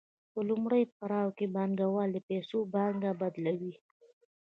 په لومړي پړاو کې پانګوال د پیسو پانګه بدلوي